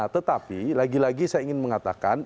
tetapi lagi lagi saya ingin mengatakan